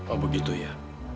oh begitu ya